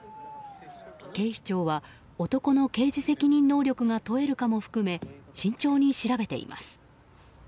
警視庁は男の刑事責任能力が問えるかも含め慎重に調べています。